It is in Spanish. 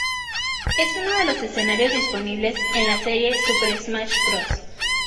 Es uno de los escenarios disponibles en la serie "Super Smash Bros.